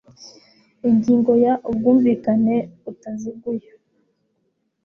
Ingingo ya Ubwumvikane butaziguye